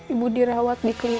ibu dirawat di klinik